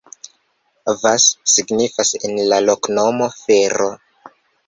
Vas signifas en la loknomo: fero.